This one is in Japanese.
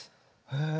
へえ。